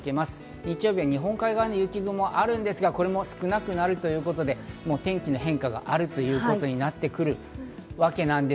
日曜日は日本海側に雪があるんですが、これも少なくなるということで、天気の変化があるということになってくるわけです。